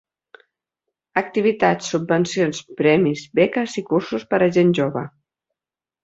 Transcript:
Activitats, subvencions, premis, beques i cursos per a gent jove.